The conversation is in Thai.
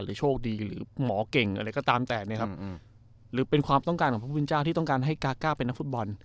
โชคดีหรือหมอเก่งอะไรก็ตามแต่เนี่ยครับหรือเป็นความต้องการของพระพุทธเจ้าที่ต้องการให้กาก้าเป็นนักฟุตบอล